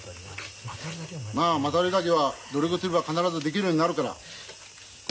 まあ股割りだけは努力すれば必ずできるようになるから。